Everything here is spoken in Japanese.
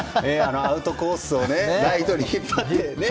アウトコースをライトに引っ張ってね、先生。